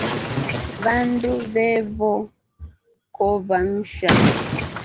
Vandu vevokova nshaa.